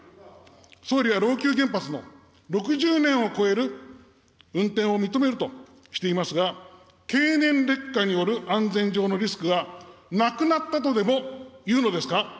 総理は老朽原発の６０年を超える運転を認めるとしていますが、経年劣化による安全上のリスクがなくなったとでもいうのですか。